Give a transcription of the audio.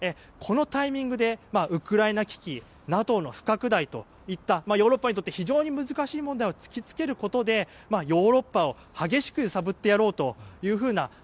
このタイミングでウクライナ危機ＮＡＴＯの不拡大といったヨーロッパにとって難しい問題を突きつけることでヨーロッパを激しく揺さぶってやろうというふうな